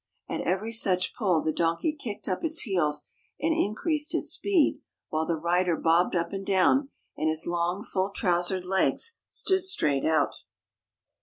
At every such pull the donkey kicked up its heels and increased its speed, while the rider bobbed up and down, and his long, full trousered legs stood straight out.